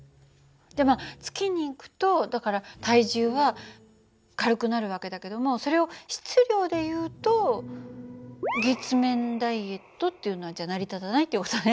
じゃまあ月に行くとだから体重は軽くなる訳だけどもそれを質量でいうと月面ダイエットっていうのはじゃ成り立たないっていう事ね。